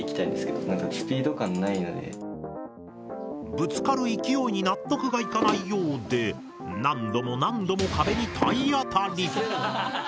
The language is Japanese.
ぶつかる勢いに納得がいかないようで何度も何度も壁に体当たり。